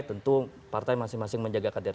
tentu partai masing masing menjaga kader